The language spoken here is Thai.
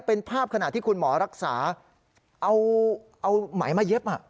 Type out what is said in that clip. เป็นภาพขณะที่คุณหมอรักษาเอาไหมมาเย็บ